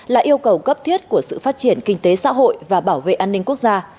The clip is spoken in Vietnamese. là yêu cầu cấp thiết của sự phát triển kinh tế xã hội và bảo vệ an ninh quốc gia